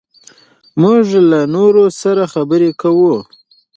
موږ له نورو سره خبرې کوو.